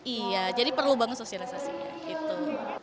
iya jadi perlu banget sosialisasinya gitu